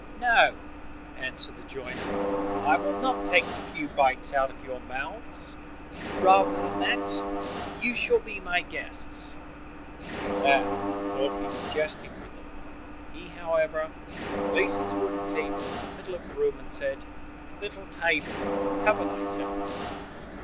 "No," answered the joiner, "I will not take the few bites out of your mouths; rather than that, you shall be my guests." They laughed, and thought he was jesting with them; he, however, placed his wooden table in the middle of the room, and said, "Little table, cover thyself."